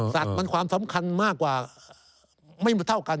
สัตว์มันความสำคัญมากกว่าไม่เท่ากัน